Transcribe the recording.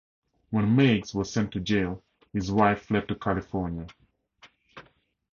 When Meiggs was sent to jail, his wife fled to California.